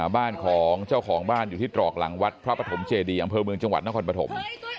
บ้านของเจ้าของบ้านอยู่ที่ตรอกหลังวัดพระปฐมเจดีอำเภอเมืองจังหวัดนครปฐม